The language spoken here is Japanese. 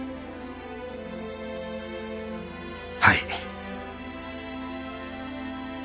はい。